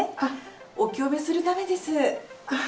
お清めするためです。